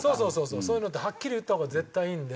そういうのってはっきり言った方が絶対いいんで。